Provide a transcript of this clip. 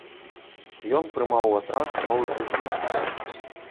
Ён прымаў у атрад новых людзей.